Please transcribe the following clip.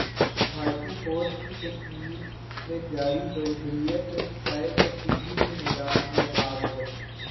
بھارتی فوج کی کشمیرمیں جاری بربریت پر شاہدافریدی بھی میدان میں گئے